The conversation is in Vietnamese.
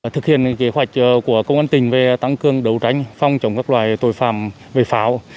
thực hiện kế hoạch của công an tình về tăng cương đấu tranh phòng chống các loại tội phạm về pháo